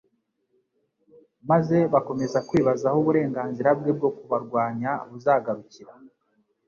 maze bakomeza kwibaza aho uburenganzira bwe bwo kubarwanya buzagarukira